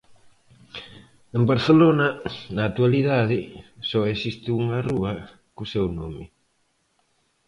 En Barcelona, na actualidade, só existe unha rúa co seu nome.